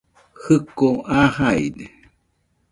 Jiko aa jaide